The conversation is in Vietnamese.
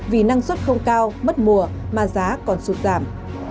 vì năng suất không cao mất mùa mà giá còn sụt giảm